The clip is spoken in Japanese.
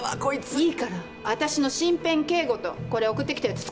いいから私の身辺警護とこれ送ってきたやつ捕まえて。